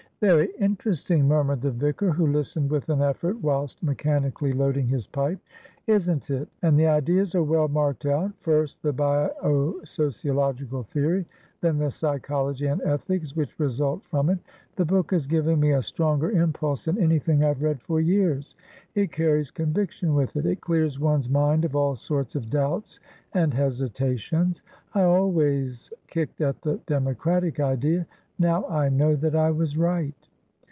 "Very interesting," murmured the vicar, who listened with an effort whilst mechanically loading his pipe. "Isn't it? And the ideas are well marked out; first the bio sociological theory, then the psychology and ethics which result from it. The book has given me a stronger impulse than anything I've read for years. It carries conviction with it. It clears one's mind of all sorts of doubts and hesitations. I always kicked at the democratic idea; now I know that I was right."